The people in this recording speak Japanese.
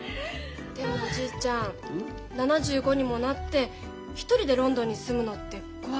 でもおじいちゃん７５にもなって１人でロンドンに住むのって怖くないの？